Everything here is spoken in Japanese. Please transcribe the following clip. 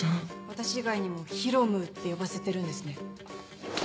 私以外にも「ヒロムー」って呼ばせてるんですね。